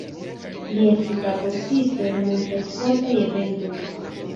Li estis raportisto en multaj sportaj eventoj.